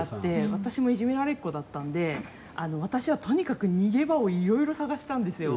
私もいじめられっ子だったんで私は、とにかく逃げ場をいろいろ探したんですよ。